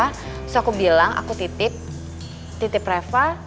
terus aku bilang aku titip titip reva